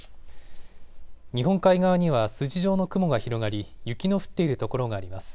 日本海側には筋状の雲が広がり雪の降っている所があります。